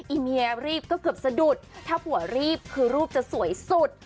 ีเมียรีบก็เกือบสะดุดถ้าผัวรีบคือรูปจะสวยสุด